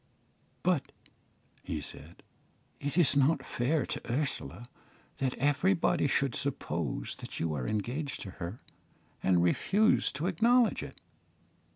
"But," he said, "it is not fair to Ursula that everybody should suppose that you are engaged to her, and refuse to acknowledge it."